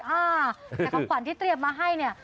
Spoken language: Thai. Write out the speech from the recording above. แต่ของขวัญที่เตรียมมาให้เนี่ย